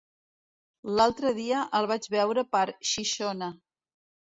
L'altre dia el vaig veure per Xixona.